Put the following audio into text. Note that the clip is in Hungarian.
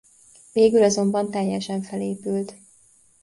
Végül azonban teljesen felépült.